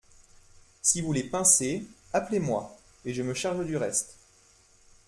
Si vous les pincez, appelez-moi, et je me charge du reste.